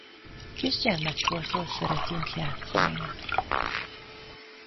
Kisgyermekkortól szeretünk játszani.